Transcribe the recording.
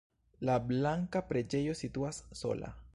La blanka preĝejo situas sola.